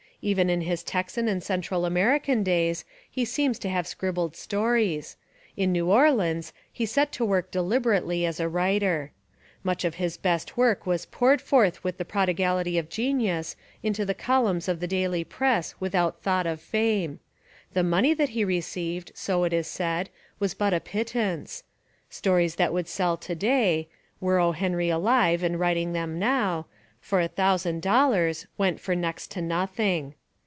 Even In his Texan and Central American days he seems to have scribbled stories. In New Orleans he set to work deliberately as a writer. Much of his best work was poured forth with the prod igality of genius Into the columns of the daily press without thought of fame. The money that he received, so it Is said, was but a pittance. Stories that would sell to day, — were O. Henry alive and writing them now, — for a thousand dollars, went for next to nothing.